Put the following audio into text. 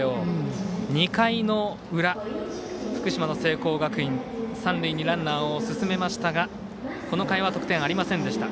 ２回の裏、福島の聖光学院三塁にランナーを進めましたがこの回は得点ありませんでした。